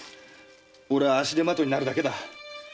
俺は足手まといになるだけだ。